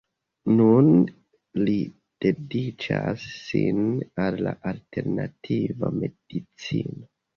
Nun li dediĉas sin al alternativa medicino.